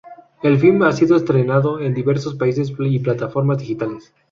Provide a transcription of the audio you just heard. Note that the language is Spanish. El film ha sido estrenado en diversos países y plataformas digitales.